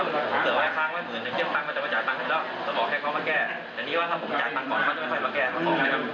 ผมก็เสร็จแล้ว